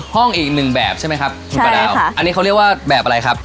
ห้องอีกหนึ่งแบบใช่ไหมครับคุณประดาวอันนี้เขาเรียกว่าแบบอะไรครับ